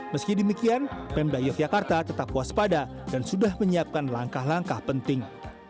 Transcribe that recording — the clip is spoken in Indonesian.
meski demikian pemda yogyakarta tetap waspada dan sudah menyiapkan langkah langkah penting